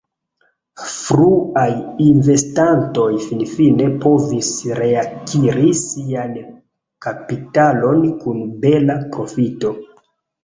Fruaj investantoj finfine povis reakiri sian kapitalon kun bela profito.